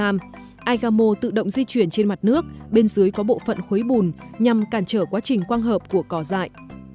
aigamo tự động di chuyển trên mặt nước bên dưới có bộ phận khuấy bùn nhằm cản trở quá trình quang hợp của cỏ dại